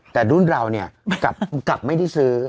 แต่รุ่นเราเนี่ยกลับไม่ได้ซื้อ